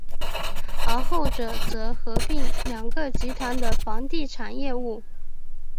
而后者则合并两个集团的房地产业务。